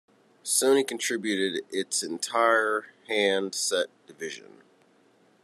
Sony contributed its entire handset division.